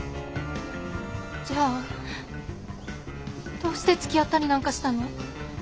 じゃあどうしてつきあったりなんかしたの？